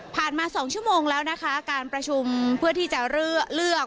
มา๒ชั่วโมงแล้วนะคะการประชุมเพื่อที่จะเลือก